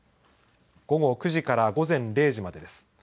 午後９時から午前０時までです。